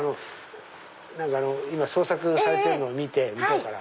今創作されてるのを見て向こうから。